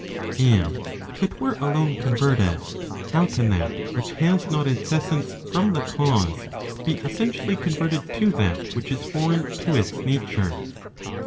And if it were alone converted, how can that which Has not its essence from the cause, be essentially converted to that which is foreign to its nature